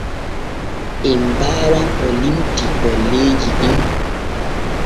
En baawan ko limti golleeji ɗin.